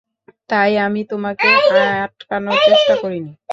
তাই আমি তোমাকে আটকানোর চেষ্টা করিনি।